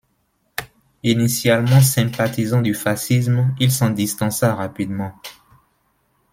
Initialement sympathisant du fascisme, il s'en distança rapidement.